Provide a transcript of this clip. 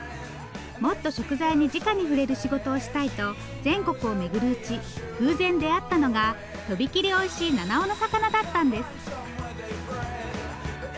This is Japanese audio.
もっと食材にじかに触れる仕事をしたいと全国を巡るうち偶然出会ったのがとびきりおいしい七尾の魚だったんです。